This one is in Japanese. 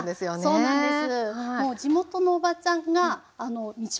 そうなんです。